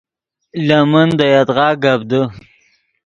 لے من دے یدغا گپ دے